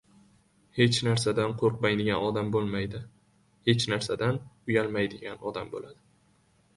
• Hech narsadan ko‘rqmaydigan odam bo‘lmaydi, hech narsadan uyalmaydigan odam bo‘ladi.